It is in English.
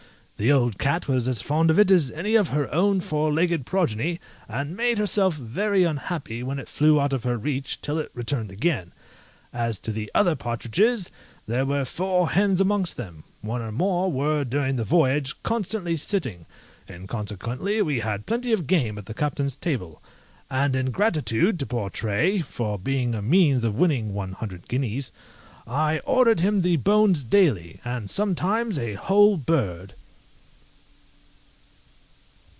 The old cat was as fond of it as of any of her own four legged progeny, and made herself very unhappy, when it flew out of her reach, till it returned again. As to the other partridges, there were four hens amongst them; one or more were, during the voyage, constantly sitting, and consequently we had plenty of game at the captain's table; and in gratitude to poor Tray (for being a means of winning one hundred guineas) I ordered him the bones daily, and sometimes a whole bird.